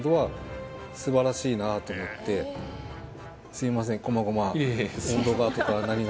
すいません